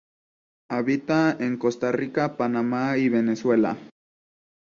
Habita en Costa Rica, Panamá y Venezuela.